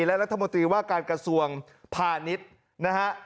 และรัฐมนตรีว่าการกระทรวงพาณิชย์นะฮะ